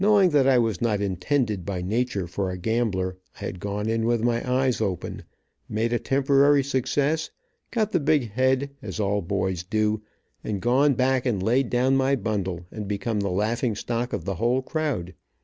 Knowing that I was not intended by nature for a gambler, I had gone in with my eyes open, made a temporary success, got the big head, as all boys do, and gone back and laid down my bundle, and become the laughing stock of the whole crowd.